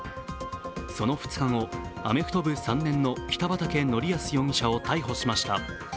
その２日後、アメフト部３年の北畠成文容疑者を逮捕しました。